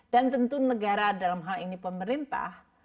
dan tentu negara dalam hal ini pemerintah